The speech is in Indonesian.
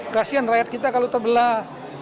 kasian rakyat kita kalau terbelah